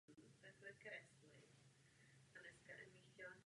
Ocásek je velmi krátký.